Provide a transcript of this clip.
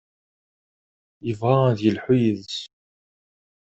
Yebɣa ad yelḥu yid-s.